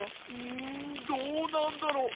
んどうなんだろう。